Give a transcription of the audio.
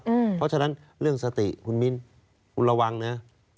เพราะฉะนั้นเรื่องสติคุณมิ้นคุณระวังนะ